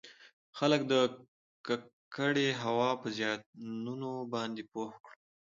خلــک د ککـړې هـوا پـه زيـانونو بانـدې پـوه کـړو٫